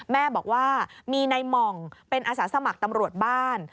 แม่บอกว่ามีในหม่องเป็นอาสาสมัครตำรวจบ้าน